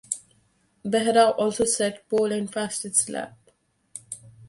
Behra also set pole and fastest lap.